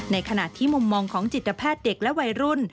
ในขณะที่มุมมองของจิตแพทย์เด็กและวัยรุ่น